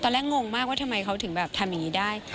งงมากว่าทำไมเขาถึงแบบทำอย่างนี้ได้